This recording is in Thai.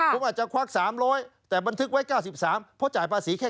ผมอาจจะควัก๓๐๐แต่บันทึกไว้๙๓เพราะจ่ายภาษีแค่